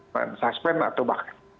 men suspend atau bahkan